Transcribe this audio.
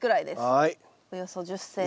およそ１０ｃｍ。